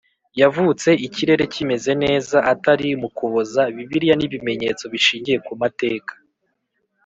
yavutse ikirere kimeze neza atari mu Kuboza Bibiliya n ibimenyetso bishingiye ku mateka